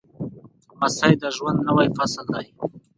لمسی د ژوند نوی فصل دی.